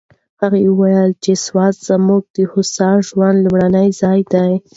هغې وویل چې سوات زما د هوسا ژوند لومړنی ځای دی.